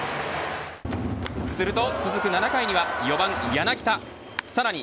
すると続く７回には４番、柳田さらに